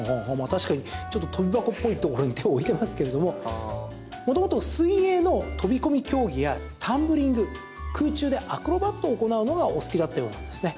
確かに跳び箱っぽいところに手を置いてますけど元々、水泳の飛込競技やタンブリング空中でアクロバットを行うのがお好きだったようですね。